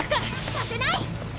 させない！